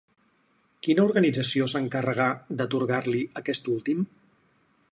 Quina organització s'encarregà d'atorgar-li aquest últim?